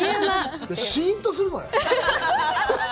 シーンとするのよ。